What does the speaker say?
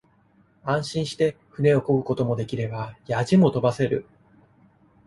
安心して舟をこぐこともできれば、やじもとばせる。